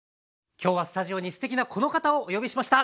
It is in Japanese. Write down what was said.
今日はスタジオにすてきなこの方をお呼びしました。